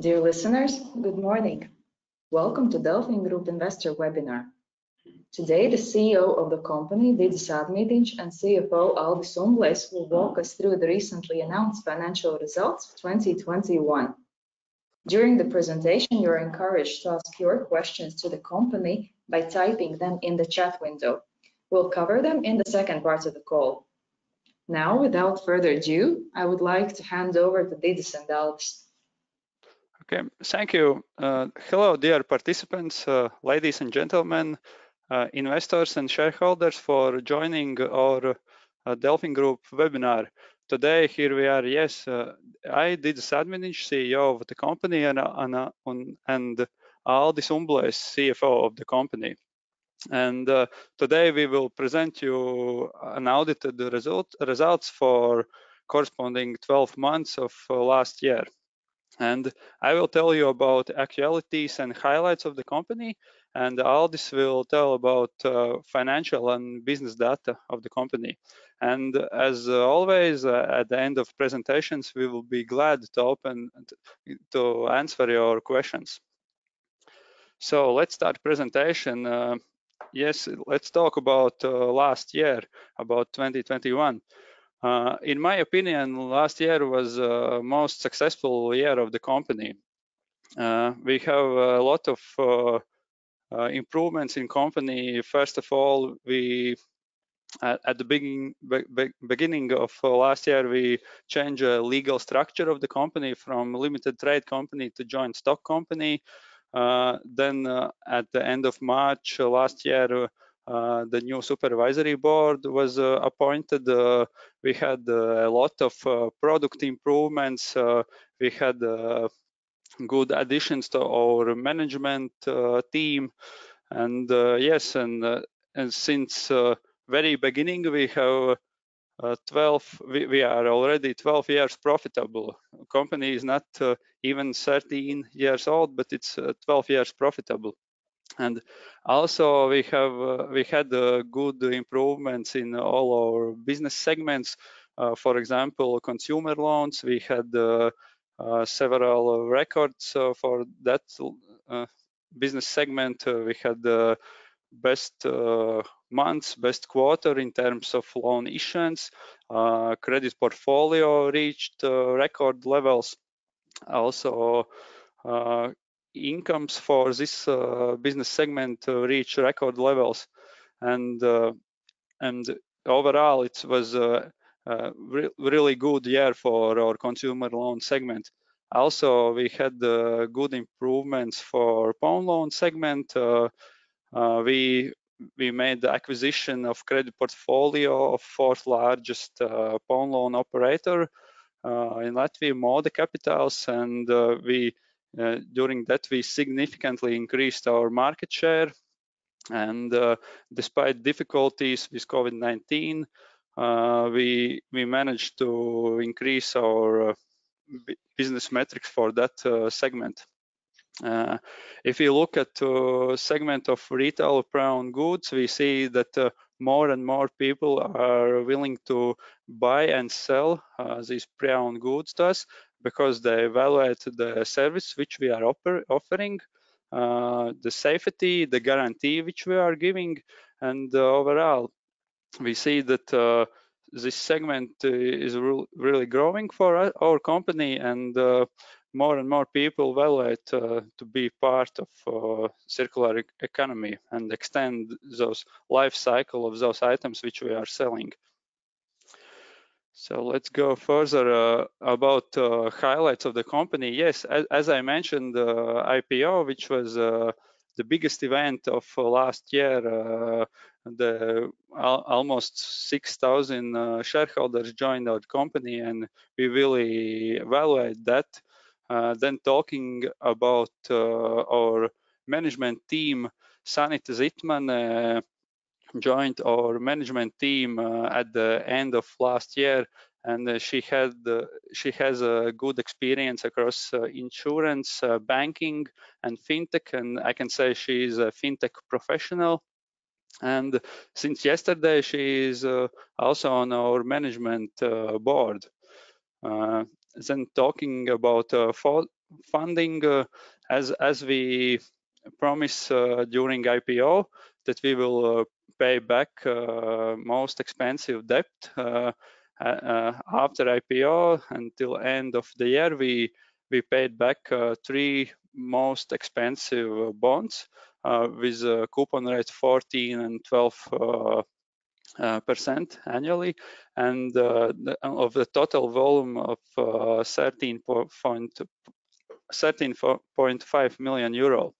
Dear listeners, good morning. Welcome to DelfinGroup Investor Webinar. Today, the CEO of the company, Didzis Ādmīdiņš, and CFO Aldis Umblejs will walk us through the recently announced financial results of 2021. During the presentation, you're encouraged to ask your questions to the company by typing them in the chat window. We'll cover them in the second part of the call. Now, without further ado, I would like to hand over to Didzis and Aldis. Thank you. Hello, dear participants, ladies and gentlemen, investors and shareholders for joining our DelfinGroup Webinar. Today, here we are. Yes, I, Didzis Ādmīdiņš, CEO of the company, and Aldis Umblejs, CFO of the company. Today we will present to you unaudited results for corresponding 12 months of last year. I will tell you about actualities and highlights of the company, and Aldis will tell about financial and business data of the company. As always, at the end of presentations, we will be glad to answer your questions. Let's start presentation. Yes, let's talk about last year, about 2021. In my opinion, last year was most successful year of the company. We have a lot of improvements in company. First of all, at the beginning of last year, we changed the legal structure of the company from limited liability company to joint stock company. Then, at the end of March last year, the new Supervisory Board was appointed. We had a lot of product improvements. We had good additions to our management team. Since the very beginning, we are already 12 years profitable. Company is not even 13 years old, but it's 12 years profitable. We had good improvements in all our business segments. For example, consumer loans, we had several records for that business segment. We had the best months, best quarter in terms of loan issuance. Credit portfolio reached record levels. Also, incomes for this business segment reached record levels. Overall, it was a really good year for our consumer loan segment. Also, we had good improvements for pawn loan segment. We made the acquisition of credit portfolio of fourth largest pawn loan operator in Latvia, Moda Kapitāls. During that we significantly increased our market share. Despite difficulties with COVID-19, we managed to increase our business metrics for that segment. If you look at segment of retail pre-owned goods, we see that more and more people are willing to buy and sell these pre-owned goods to us because they evaluate the service which we are offering, the safety, the guarantee which we are giving. Overall, we see that this segment is really growing for our company and more and more people willing to be part of circular economy and extend those life cycle of those items which we are selling. Let's go further about highlights of the company. Yes, as I mentioned, the IPO, which was the biggest event of last year. The almost 6,000 shareholders joined our company, and we really evaluate that. Talking about our management team, Sanita Pudnika joined our management team at the end of last year. She has good experience across insurance, banking and fintech, and I can say she is a fintech professional. Since yesterday, she is also on our management board. Talking about funding, as we promised during IPO, that we will pay back most expensive debt after IPO. Until end of the year, we paid back three most expensive bonds with a coupon rate 14% and 12% annually, of a total volume of 13.5 million euro.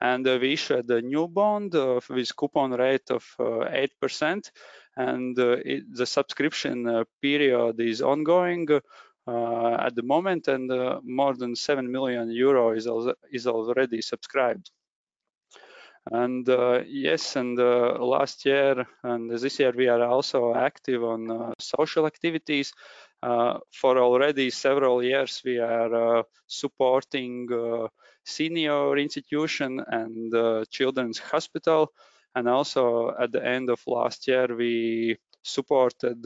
We issued a new bond with coupon rate of 8%, and the subscription period is ongoing at the moment, and more than 7 million euro is already subscribed. Yes, last year and this year, we are also active on social activities. For already several years we are supporting senior institution and children's hospital, and at the end of last year, we supported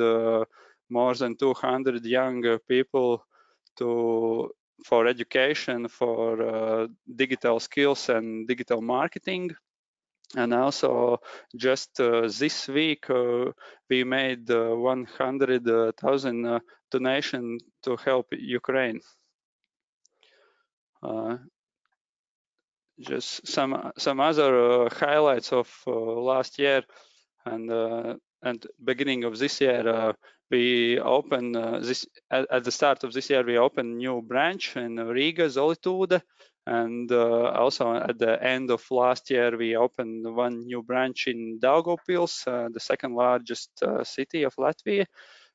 more than 200 younger people to for education for digital skills and digital marketing. Just this week we made 100,000 donation to help Ukraine. Just some other highlights of last year and beginning of this year, we opened this. At the start of this year we opened new branch in Riga, Zolitūde, and also at the end of last year we opened one new branch in Daugavpils, the second largest city of Latvia,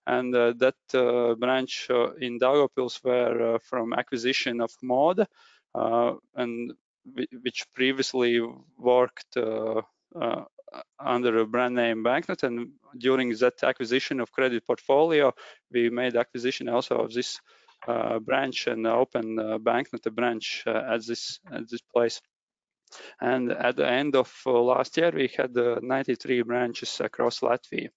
and that branch in Daugavpils were from acquisition of Moda Kapitāls and which previously worked under a brand name Banknote and during that acquisition of credit portfolio, we made acquisition also of this branch and opened a Banknote branch at this place. At the end of last year, we had 93 branches across Latvia.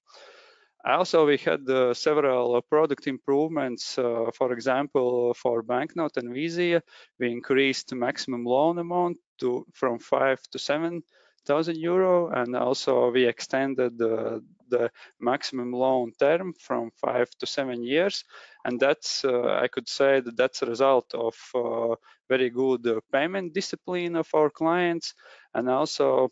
We had several product improvements, for example, for Banknote and VIZIA, we increased maximum loan amount from 5,000-7,000 euro and also we extended the maximum loan term from five to seven years and that's, I could say, a result of very good payment discipline of our clients and also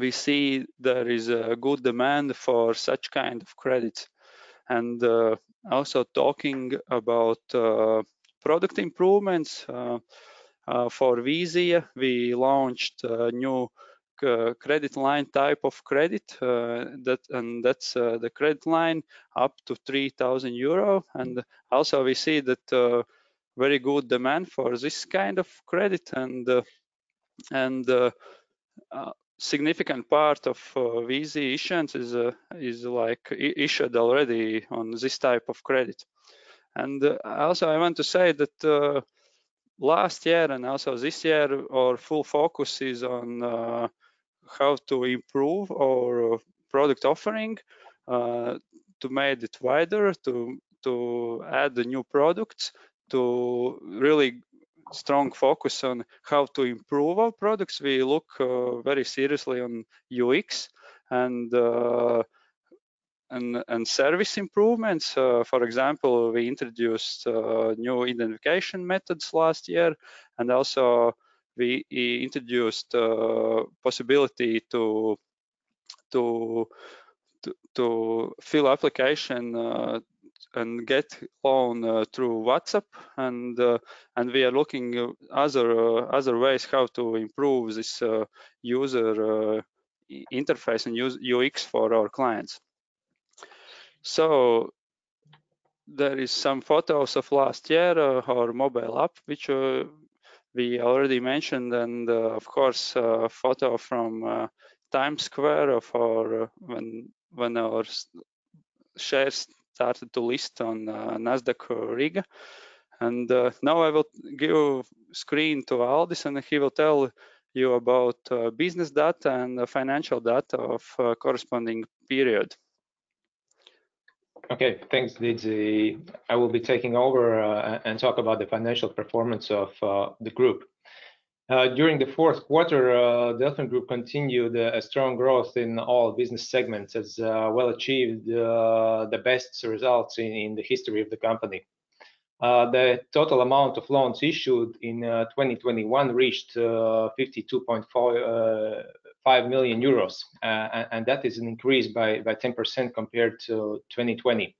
we see there is a good demand for such kind of credit. Also talking about product improvements for VIZIA, we launched a new credit line type of credit and that's the credit line up to 3,000 euro and also we see that very good demand for this kind of credit and significant part of VIZIA issuance is like issued already on this type of credit. Also I want to say that last year and also this year, our full focus is on how to improve our product offering to make it wider, to add the new products, to really strong focus on how to improve our products. We look very seriously on UX and service improvements. For example, we introduced new identification methods last year and also we introduced possibility to fill application and get loan through WhatsApp and we are looking other ways how to improve this user interface and UX for our clients. There is some photos of last year, our mobile app, which we already mentioned and, of course, a photo from Times Square of our when our shares started to list on Nasdaq Riga. Now I will give screen to Aldis and he will tell you about business data and the financial data of corresponding period. Okay. Thanks, Didzis. I will be taking over and talk about the financial performance of the group. During the fourth quarter, DelfinGroup continued a strong growth in all business segments, as well achieved the best results in the history of the company. The total amount of loans issued in 2021 reached 52.45 million euros and that is an increase by 10% compared to 2020.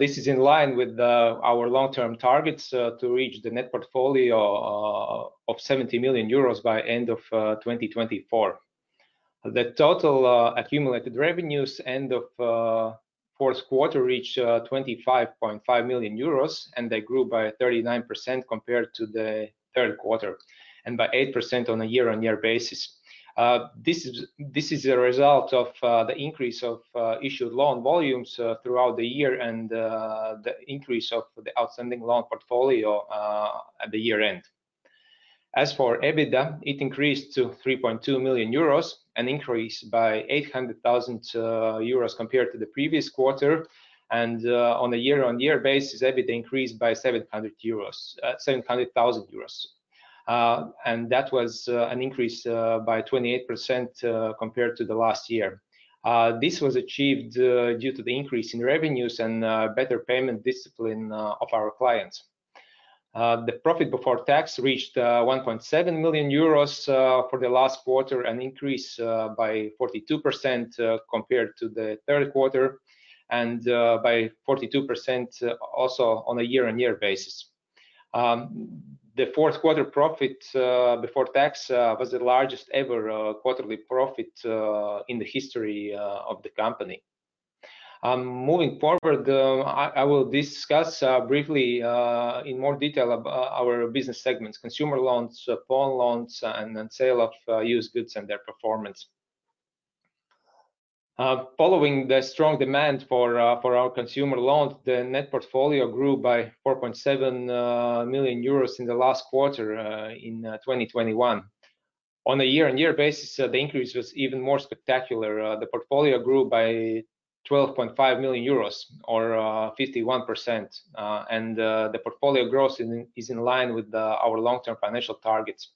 This is in line with our long-term targets to reach the net portfolio of 70 million euros by end of 2024. The total accumulated revenues end of fourth quarter reached 25.5 million euros, and they grew by 39% compared to the third quarter, and by 8% on a year-on-year basis. This is a result of the increase of issued loan volumes throughout the year and the increase of the outstanding loan portfolio at the year-end. As for EBITDA, it increased to 3.2 million euros, an increase by 800,000 euros compared to the previous quarter, and on a year-on-year basis, EBITDA increased by 700,000 euros. That was an increase by 28% compared to the last year. This was achieved due to the increase in revenues and better payment discipline of our clients. The profit before tax reached 1.7 million euros for the last quarter, an increase by 42% compared to the third quarter and by 42% also on a year-on-year basis. The fourth quarter profit before tax was the largest ever quarterly profit in the history of the company. Moving forward, I will discuss briefly in more detail our business segments, consumer loans, pawn loans, and then sale of used goods and their performance. Following the strong demand for our consumer loans, the net portfolio grew by 4.7 million euros in the last quarter in 2021. On a year-on-year basis, the increase was even more spectacular. The portfolio grew by 12.5 million euros or 51%. The portfolio growth is in line with our long-term financial targets.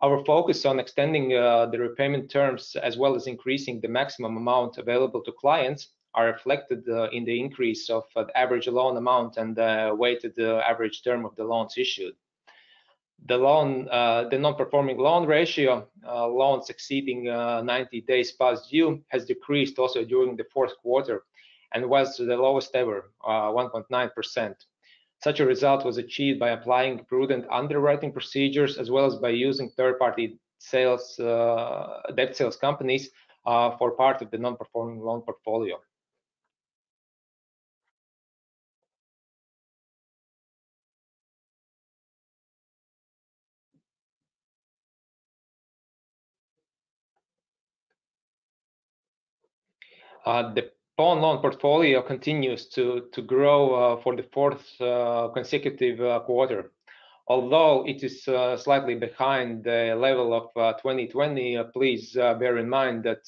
Our focus on extending the repayment terms as well as increasing the maximum amount available to clients are reflected in the increase of the average loan amount and the weighted average term of the loans issued. The non-performing loan ratio, loans exceeding 90 days past due, has decreased also during the fourth quarter and was the lowest ever, 1.9%. Such a result was achieved by applying prudent underwriting procedures as well as by using third-party debt sales companies for part of the non-performing loan portfolio. The pawn loan portfolio continues to grow for the fourth consecutive quarter. Although it is slightly behind the level of 2020, please bear in mind that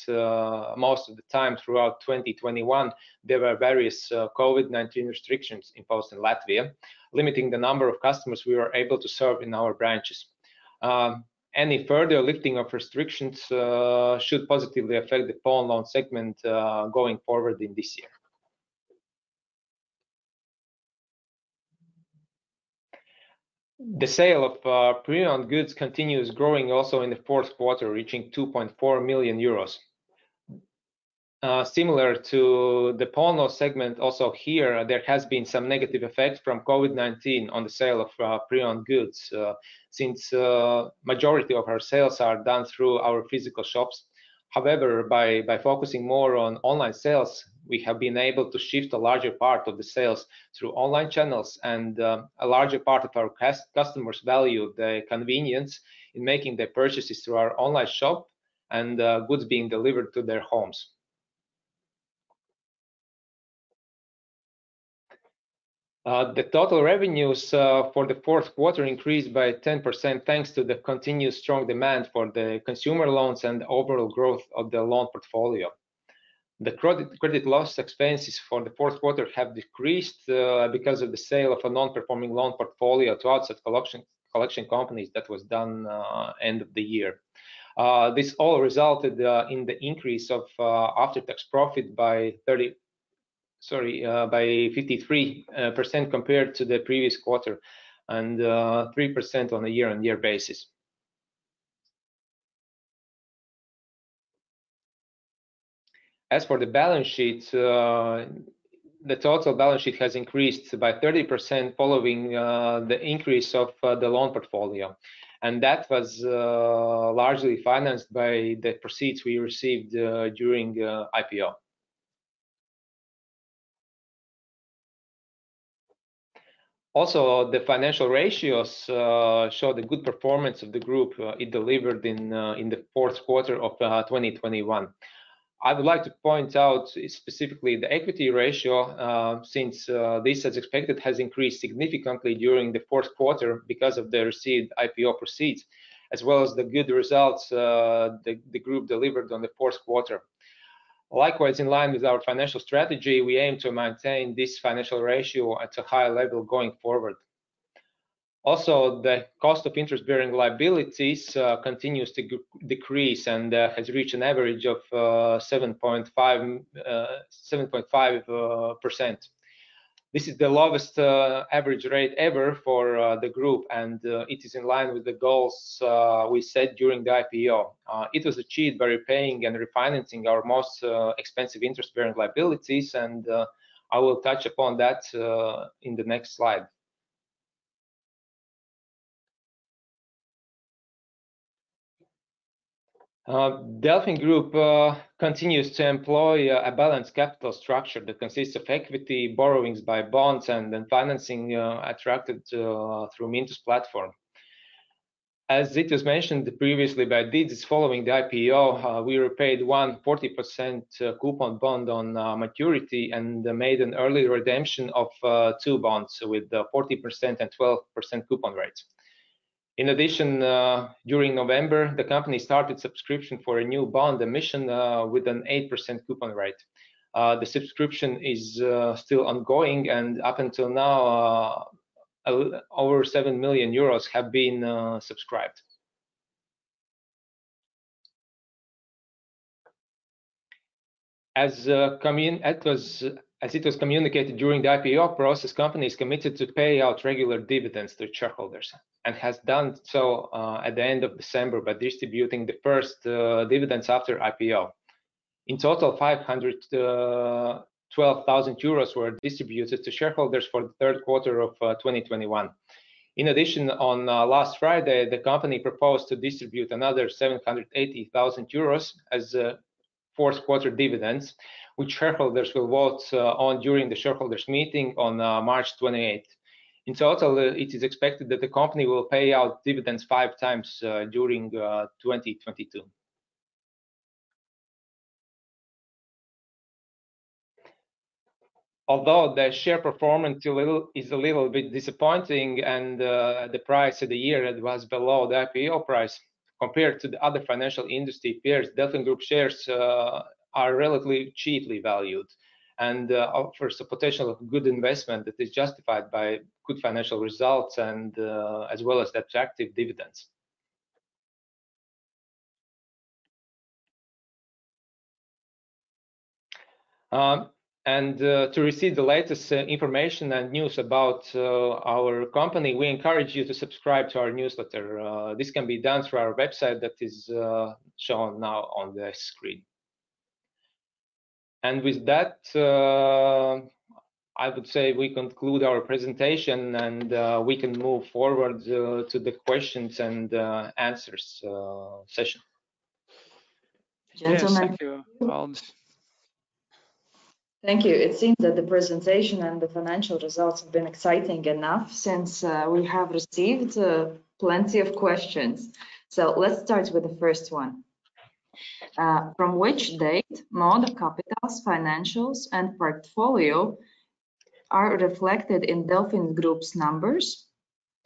most of the time throughout 2021, there were various COVID-19 restrictions imposed in Latvia, limiting the number of customers we were able to serve in our branches. Any further lifting of restrictions should positively affect the pawn loan segment going forward in this year. The sale of pre-owned goods continues growing also in the fourth quarter, reaching 2.4 million euros. Similar to the pawn loan segment, also here there has been some negative effect from COVID-19 on the sale of pre-owned goods, since majority of our sales are done through our physical shops. However, by focusing more on online sales, we have been able to shift a larger part of the sales through online channels, and a larger part of our customers value the convenience in making their purchases through our online shop and goods being delivered to their homes. The total revenues for the fourth quarter increased by 10%, thanks to the continued strong demand for the consumer loans and the overall growth of the loan portfolio. The credit loss expenses for the fourth quarter have decreased because of the sale of a non-performing loan portfolio to asset collection companies that was done end of the year. This all resulted in the increase of after-tax profit by 53% compared to the previous quarter and 3% on a year-on-year basis. As for the balance sheet, the total balance sheet has increased by 30% following the increase of the loan portfolio, and that was largely financed by the proceeds we received during IPO. The financial ratios show the good performance of the group it delivered in the fourth quarter of 2021. I would like to point out specifically the equity ratio, since this, as expected, has increased significantly during the fourth quarter because of the received IPO proceeds as well as the good results the group delivered on the fourth quarter. Likewise, in line with our financial strategy, we aim to maintain this financial ratio at a high level going forward. The cost of interest-bearing liabilities continues to decrease and has reached an average of 7.5%. This is the lowest average rate ever for the group, and it is in line with the goals we set during the IPO. It was achieved by repaying and refinancing our most expensive interest-bearing liabilities, and I will touch upon that in the next slide. DelfinGroup continues to employ a balanced capital structure that consists of equity borrowings by bonds and then financing attracted through Mintos platform. As it is mentioned previously by Didzis, following the IPO, we repaid one 40% coupon bond on maturity and made an early redemption of two bonds with 40% and 12% coupon rates. In addition, during November, the company started subscription for a new bond emission with an 8% coupon rate. The subscription is still ongoing, and up until now, over 7 million euros have been subscribed. As it was communicated during the IPO process, company is committed to pay out regular dividends to shareholders and has done so at the end of December by distributing the first dividends after IPO. In total, 512,000 euros were distributed to shareholders for the third quarter of 2021. In addition, on last Friday, the company proposed to distribute another 780,000 euros as fourth quarter dividends, which shareholders will vote on during the Shareholders Meeting on March 28. In total, it is expected that the company will pay out dividends five times during 2022. Although the share performance is a little bit disappointing, and the price over the year it was below the IPO price, compared to the other financial industry peers, DelfinGroup shares are relatively cheaply valued, and offers a potential good investment that is justified by good financial results and as well as the attractive dividends. To receive the latest information and news about our company, we encourage you to subscribe to our newsletter. This can be done through our website that is shown now on the screen. With that, I would say we conclude our presentation, and we can move forward to the questions and answers session. Gentlemen- Yes, thank you, Aldis. Thank you. It seems that the presentation and the financial results have been exciting enough since we have received plenty of questions. Let's start with the first one. From which date Moda Kapitāls financials and portfolio are reflected in DelfinGroups numbers,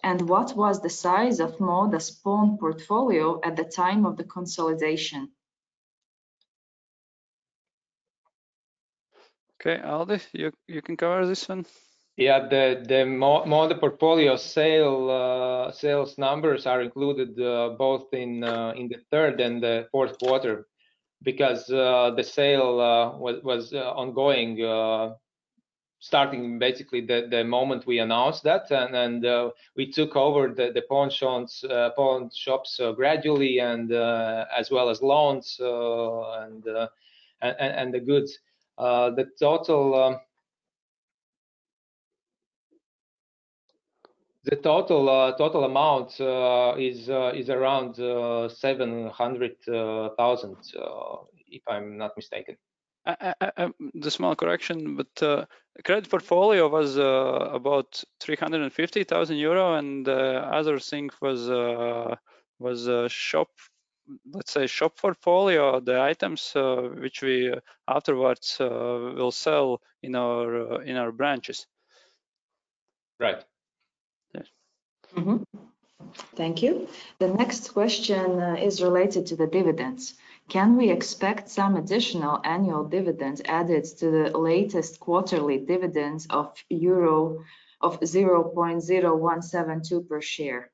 and what was the size of Moda pawn portfolio at the time of the consolidation? Okay. Aldis, you can cover this one. Yeah. The Moda portfolio sale sales numbers are included both in the third and the fourth quarter because the sale was ongoing starting basically the moment we announced that. We took over the pawn shops gradually, as well as loans, and the goods. The total amount is around 700,000 if I'm not mistaken. The small correction, credit portfolio was about 350,000 euro and other thing was shop, let's say, shop portfolio, the items which we afterwards will sell in our branches. Right. Yeah. Thank you. The next question is related to the dividends. Can we expect some additional annual dividends added to the latest quarterly dividends of 0.0172 euro per share?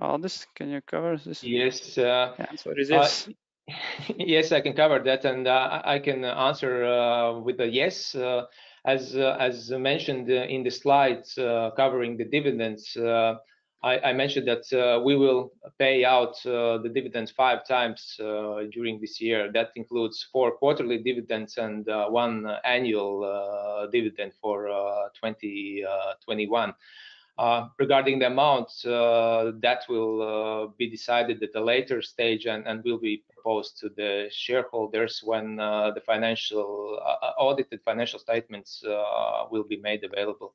Aldis, can you cover this? Yes. Answer this. Yes, I can cover that, and I can answer with a yes. As mentioned in the slides covering the dividends, I mentioned that we will pay out the dividends five times during this year. That includes four quarterly dividends and one annual dividend for 2021. Regarding the amount that will be decided at a later stage and will be proposed to the shareholders when the audited financial statements will be made available.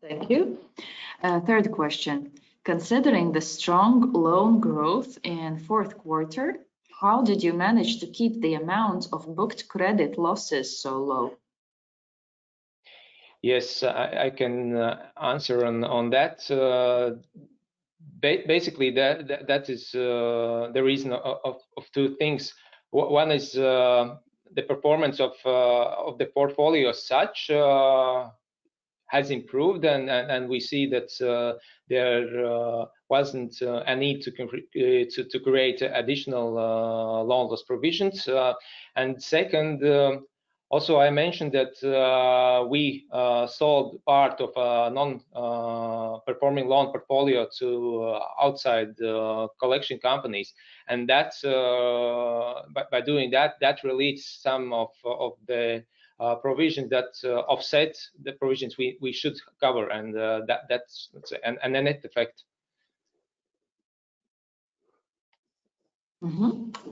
Thank you. Third question. Considering the strong loan growth in fourth quarter, how did you manage to keep the amount of booked credit losses so low? Yes, I can answer on that. Basically, that is the reason for two things. One is the performance of the portfolio as such has improved, and we see that there wasn't a need to create additional loan loss provisions. Second, also I mentioned that we sold part of a non-performing loan portfolio to outside collection companies, and that's. By doing that relieves some of the provisions that offset the provisions we should cover, and that's a net effect.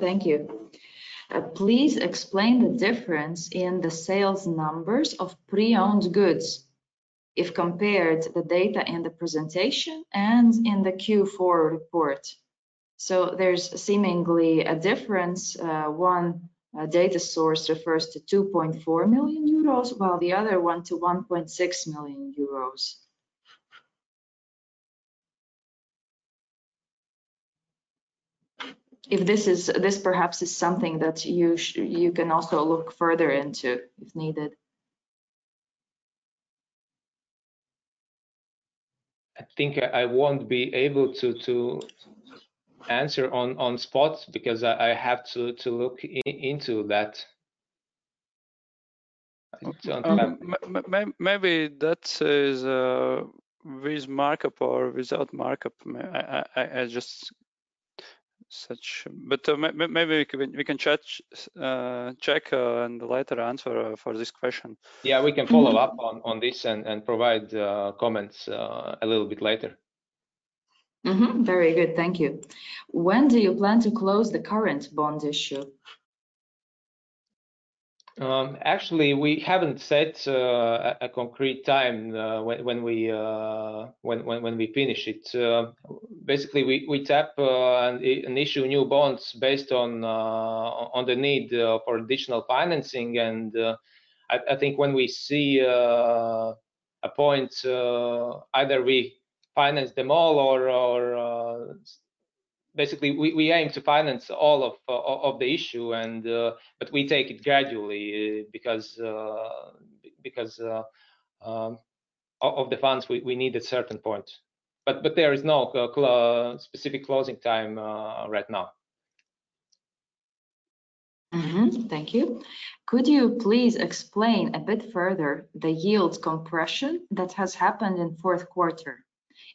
Thank you. Please explain the difference in the sales numbers of pre-owned goods if compared the data in the presentation and in the Q4 report. There's seemingly a difference. One data source refers to 2.4 million euros, while the other one to 1.6 million euros. This perhaps is something that you can also look further into, if needed. I think I won't be able to answer on spot because I have to look into that. Maybe that is with markup or without markup. I just search. Maybe we can chat, check, and later answer for this question. Yeah, we can follow up on this and provide comments a little bit later. Very good. Thank you. When do you plan to close the current bond issue? Actually we haven't set a concrete time when we finish it. Basically we tap an issue of new bonds based on the need for additional financing. I think when we see a point either we finance them all or basically we aim to finance all of the issue, but we take it gradually because of the funds we need at certain point. There is no specific closing time right now. Thank you. Could you please explain a bit further the yield compression that has happened in fourth quarter?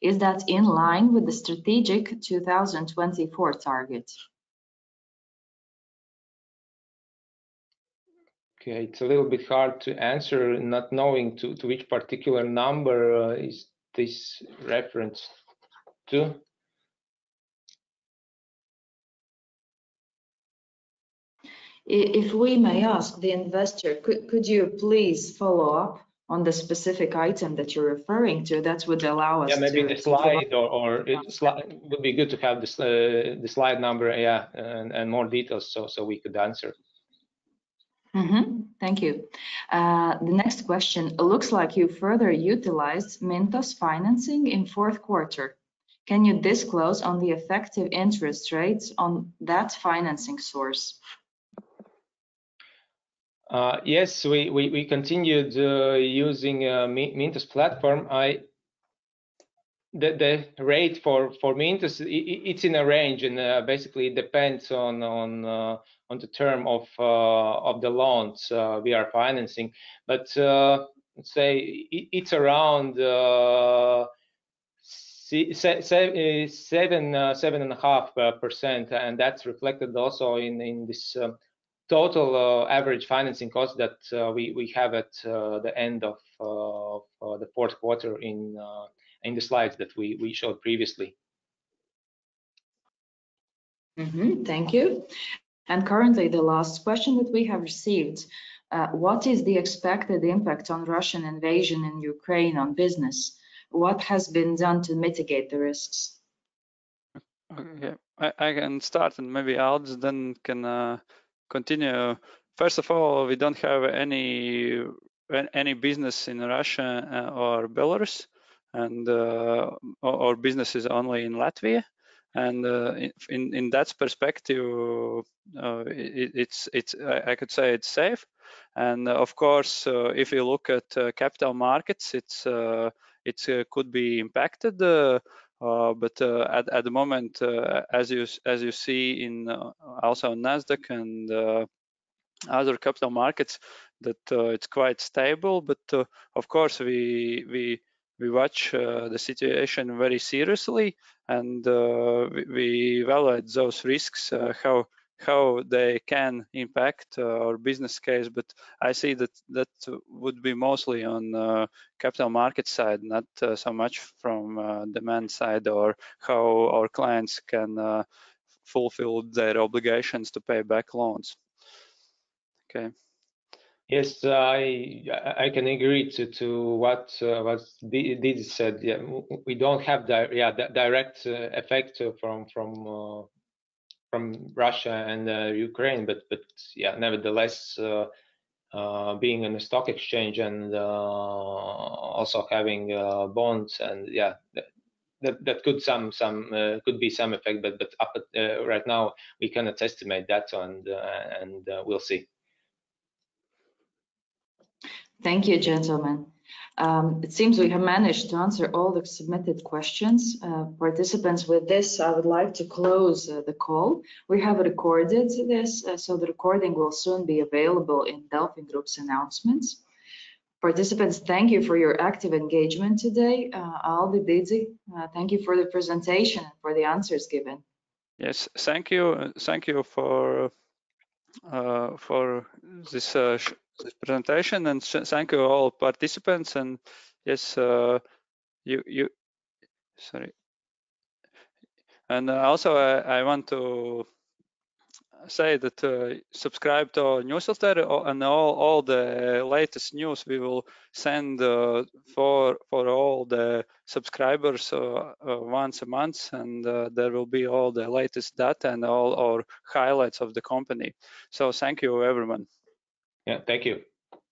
Is that in line with the strategic 2024 target? Okay. It's a little bit hard to answer not knowing to which particular number is this referenced to? If we may ask the investor, could you please follow up on the specific item that you're referring to? That would allow us to- Yeah, maybe the slide would be good to have the slide number, yeah, and more details so we could answer. Thank you. The next question, looks like you further utilized Mintos financing in fourth quarter. Can you disclose on the effective interest rates on that financing source? Yes. We continued using Mintos platform. The rate for Mintos it's in a range and basically it depends on the term of the loans we are financing. Let's say it's around 7.5%, and that's reflected also in this total average financing cost that we have at the end of the fourth quarter in the slides that we showed previously. Mm-hmm. Thank you. Currently the last question that we have received, what is the expected impact on Russian invasion in Ukraine on business? What has been done to mitigate the risks? Okay. I can start and maybe Aldis then can continue. First of all, we don't have any business in Russia or Belarus and our business is only in Latvia. In that perspective, I could say it's safe. Of course, if you look at capital markets, it could be impacted. But at the moment, as you see, also in Nasdaq and other capital markets that it's quite stable. Of course we watch the situation very seriously and we evaluate those risks how they can impact our business case. I see that would be mostly on capital market side, not so much from demand side or how our clients can fulfill their obligations to pay back loans. Okay. Yes. I can agree to what Didzis said. Yeah. We don't have direct effect from Russia and Ukraine, but yeah, nevertheless, being in the stock exchange and also having bonds and yeah, that could be some effect. Up until right now we cannot estimate that and we'll see. Thank you, gentlemen. It seems we have managed to answer all the submitted questions. With this, participants, I would like to close the call. We have recorded this, so the recording will soon be available in DelfinGroups announcements. Participants, thank you for your active engagement today. Aldis, Didzis, thank you for the presentation and for the answers given. Yes. Thank you. Thank you for this presentation, and thank you all participants. I want to say that subscribe to our newsletter and all the latest news we will send for all the subscribers once a month and there will be all the latest data and all our highlights of the company. Thank you everyone. Yeah. Thank you.